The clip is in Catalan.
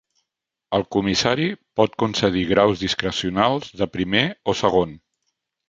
El comissari pot concedir graus discrecionals de primer o segon.